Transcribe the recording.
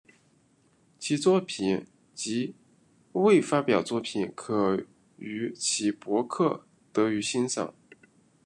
其作品及未发表作品可于其博客得于欣赏。